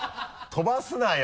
飛ばすなよ！